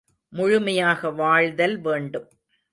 முழுமையாக வாழ்தல் வேண்டும்.